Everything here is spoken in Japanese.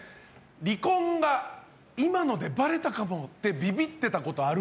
離婚が今のでバレたかもってビビってたことあるっぽい。